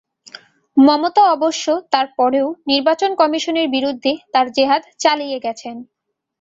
মমতা অবশ্য তার পরেও নির্বাচন কমিশনের বিরুদ্ধে তাঁর জেহাদ চালিয়ে গেছেন।